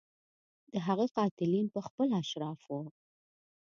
د هغه قاتلین په خپله اشراف وو.